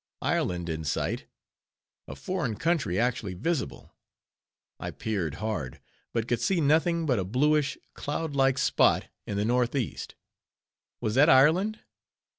Ireland in sight! A foreign country actually visible! I peered hard, but could see nothing but a bluish, cloud like spot to the northeast. Was that Ireland?